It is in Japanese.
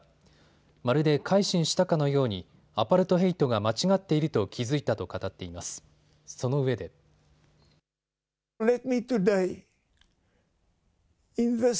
まるで改心したかのようにアパルトヘイトが間違っていると気付いたと語っています。